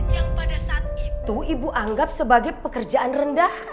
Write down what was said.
yang pada saat itu ibu anggap sebagai pekerjaan rendah